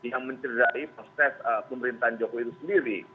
yang mencederai proses pemerintahan jokowi itu sendiri